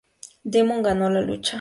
Demon ganó la lucha.